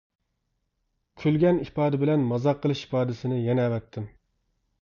كۈلگەن ئىپادە بىلەن مازاق قىلىش ئىپادىسىنى يەنە ئەۋەتتىم.